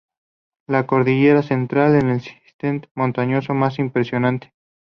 La Cordillera Central, es el sistema montañoso más impresionante.